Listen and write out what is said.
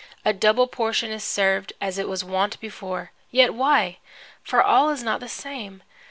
A double portion is served as was wont before. Yet why? For all is not the same.